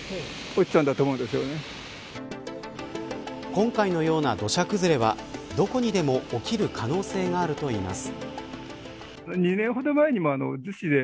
今回のような土砂崩れはどこにでも起きる可能性があるといいます。